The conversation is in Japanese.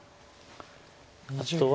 あとは。